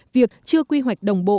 việc chưa quy hoạch đồng bộ